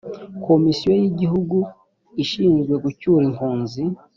komisiyo y’igihugu ishinzwe gucyura impunzi